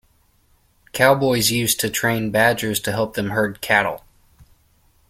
Cowboys used to train badgers to help them herd cattle.